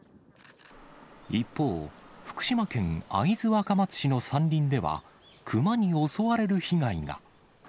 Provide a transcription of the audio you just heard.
一方、福島県会津若松市の山林では、熊に襲われる被害が。